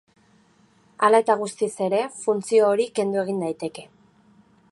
Hala eta guztiz ere, funtzio hori kendu egin daiteke.